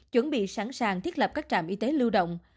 chuẩn bị sẵn sàng thiết lập các trạm y tế lưu động